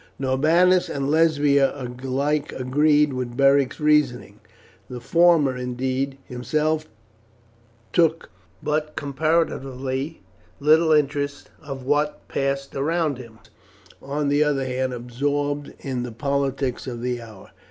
Norbanus and Lesbia alike agreed with Beric's reasoning; the former, indeed, himself took but comparatively little interest in what passed around him. The latter was, on the other hand, absorbed in the politics of the hour.